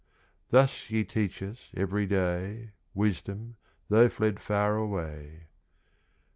Thus ye teach us, every day, Wisdom, though fled far away.